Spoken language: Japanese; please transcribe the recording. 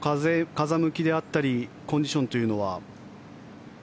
風向きであったりコンディションというのは。